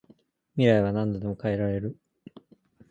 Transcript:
未来は何度でも変えられる